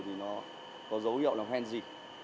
thì nó có dấu hiệu